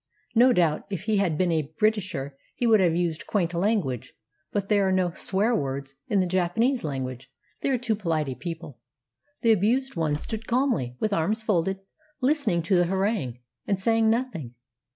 No doubt if he had been a Britisher he would have used quaint lan guage: but there are no "swear words" in the Japanese language — they are too polite a people. The abused one stood calmly, with arms folded, listening to the harangue, and saying nothing.